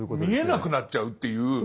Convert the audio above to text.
見えなくなっちゃうっていう。